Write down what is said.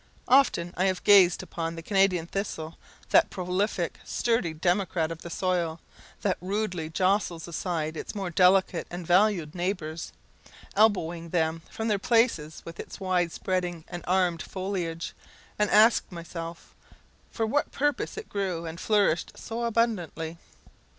Often have I gazed upon the Canadian thistle that prolific, sturdy democrat of the soil, that rudely jostles aside its more delicate and valued neighbours, elbowing them from their places with its wide spreading and armed foliage and asked myself for what purpose it grew and flourished so abundantly?